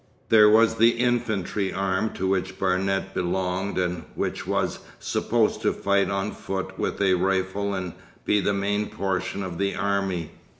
There was the infantry arm to which Barnet belonged and which was supposed to fight on foot with a rifle and be the main portion of the army.